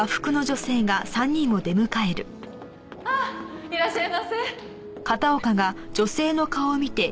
あっいらっしゃいませ。